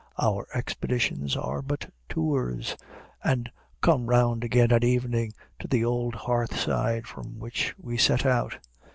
Our expeditions are but tours, and come round again at evening to the old hearth side from which we set out.